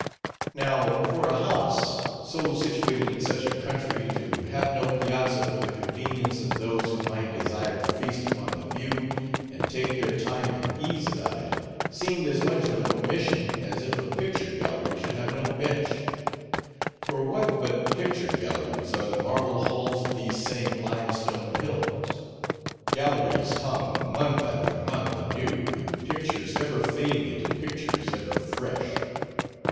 Now, for a house, so situated in such a country, to have no piazza for the convenience of those who might desire to feast upon the view, and take their time and ease about it, seemed as much of an omission as if a picture gallery should have no bench; for what but picture galleries are the marble halls of these same limestone hills?—galleries hung, month after month anew, with pictures ever fading into pictures ever fresh.